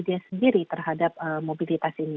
dia sendiri terhadap mobilitas ini